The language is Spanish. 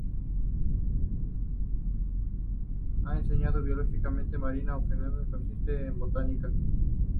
Ha enseñado biología marina, oceanografía, ecosistemas marinos tropicales, ecología, ciencias ambientales, y botánica.